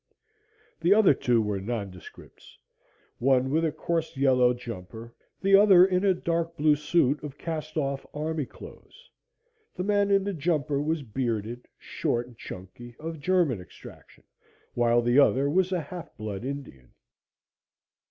The other two were nondescripts one with a coarse yellow jumper, the other in a dark blue suit of cast off army clothes. The man in the jumper was bearded, short and chunky, of German extraction, while the other was a half blood Indian.